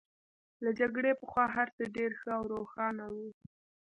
له جګړې پخوا هرڅه ډېر ښه او روښانه وو